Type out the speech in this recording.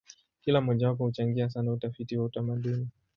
Kila mojawapo huchangia sana utafiti wa utamaduni.